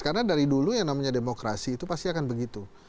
karena dari dulu yang namanya demokrasi itu pasti akan begitu